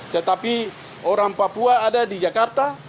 tetapi orang papua ada di jakarta